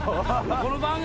この番組。